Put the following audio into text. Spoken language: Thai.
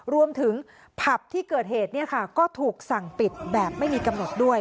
รวมถึงผับที่เกิดเหตุก็ถูกสั่งปิดแบบไม่มีกำหนดด้วย